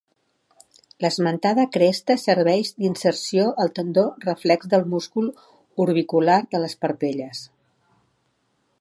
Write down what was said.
L'esmentada cresta serveix d'inserció al tendó reflex del múscul orbicular de les parpelles.